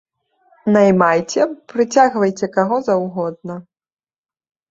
Наймайце, прыцягвайце каго заўгодна.